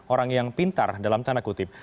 orang yang pintar dalam tanda kutip